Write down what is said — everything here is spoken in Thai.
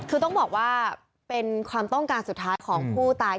คือต้องบอกว่าเป็นความต้องการสุดท้ายของผู้ตาย